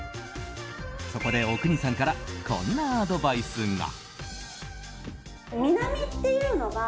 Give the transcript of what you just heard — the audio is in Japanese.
そこで、阿国さんからこんなアドバイスが。